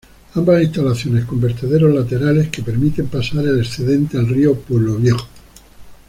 Ambas instalaciones con vertederos laterales, que permiten pasar el excedente al río Pueblo Viejo.